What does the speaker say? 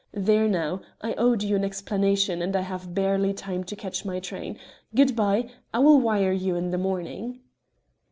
There now I owed you an explanation, and I have barely time to catch my train. Good bye. I will wire you in the morning."